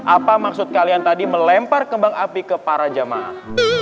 apa maksud kalian tadi melempar kembang api ke para jamaah